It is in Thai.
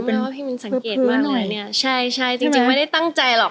ผมว่าพี่มีนสังเกตมากเลยเนี้ยใช่ใช่จริงจริงไม่ได้ตั้งใจหรอก